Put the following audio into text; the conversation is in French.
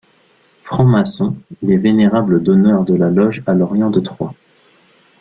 Franc-maçon, il est vénérable d'honneur de la loge à l'orient de Troyes.